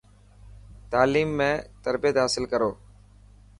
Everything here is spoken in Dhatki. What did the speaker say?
تعليم ۾ تربيت حاصل ڪرو.